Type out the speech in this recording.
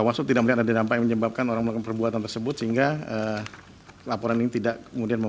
bawaslu tidak melihat ada dampak yang menyebabkan orang melakukan perbuatan tersebut sehingga laporan ini tidak kemudian